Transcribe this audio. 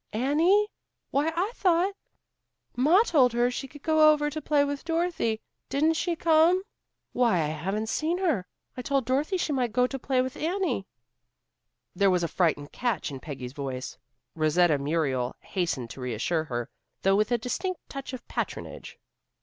"Annie! Why, I thought " "Ma told her she could go over to play with Dorothy. Didn't she come?" "Why, I haven't seen her. I told Dorothy she might go to play with Annie." There was a frightened catch in Peggy's voice. Rosetta Muriel hastened to reassure her, though with a distinct touch of patronage.